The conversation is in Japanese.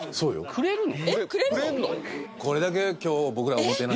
くれるの？